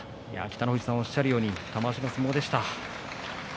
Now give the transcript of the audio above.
北の富士さんのおっしゃるように玉鷲の相撲でした。